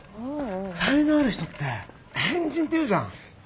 才能ある人って変人っていうじゃん。